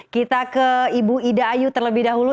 kita ke ibu ida ayu terlebih dahulu